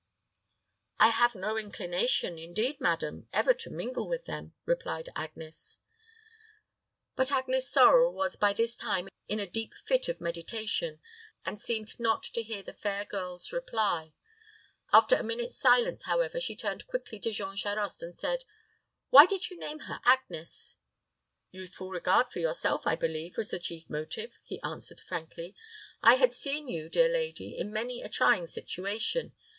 "I have no inclination, indeed, madam, ever to mingle with them," replied Agnes. But Agnes Sorel was by this time in a deep fit of meditation, and seemed not to hear the fair girl's reply. After a minute's silence, however, she turned quickly to Jean Charost, and said, "Why did you name her Agnes?" "Youthful regard for yourself, I believe, was the chief motive," he answered, frankly. "I had seen you, dear lady, in many a trying situation.